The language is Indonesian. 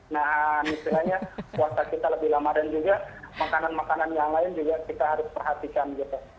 nah istilahnya puasa kita lebih lama dan juga makanan makanan yang lain juga kita harus perhatikan gitu